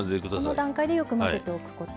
この段階でよく混ぜておくこと。